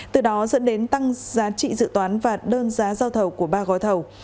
từ đó dẫn đến tăng giá trị dự toán và đơn giá giao thầu của ba gói thầu